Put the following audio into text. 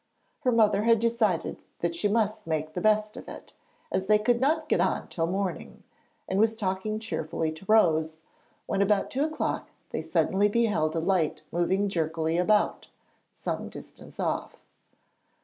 Her mother had decided that she must make the best of it, as they could not get on till morning, and was talking cheerfully to Rose, when about two o'clock they suddenly beheld a light moving jerkily about, some distance off.